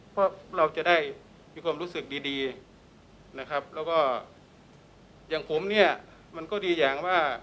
เพราะเราจะได้มีความรู้สึกดีดีนะครับแล้วก็อย่างผมเนี่ยมันก็ดีอย่างว่า